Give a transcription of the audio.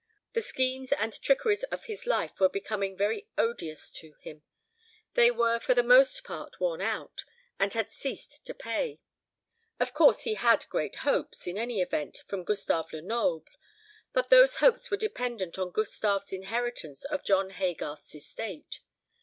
The schemes and trickeries of his life were becoming very odious to him; they were for the most part worn out, and had ceased to pay. Of course he had great hopes, in any event, from Gustave Lenoble; but those hopes were dependent on Gustave's inheritance of John Haygarth's estate.